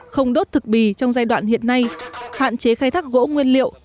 không đốt thực bì trong giai đoạn hiện nay hạn chế khai thác gỗ nguyên liệu